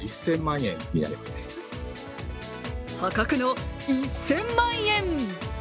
破格の１０００万円。